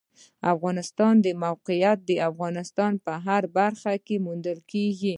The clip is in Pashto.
د افغانستان د موقعیت د افغانستان په هره برخه کې موندل کېږي.